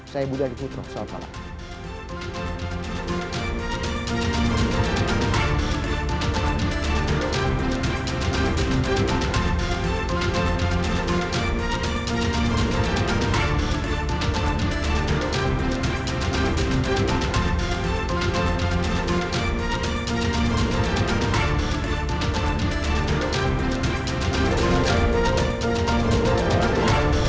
saya budha diputro salam